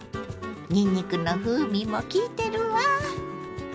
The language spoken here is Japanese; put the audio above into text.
にんにくの風味もきいてるわ。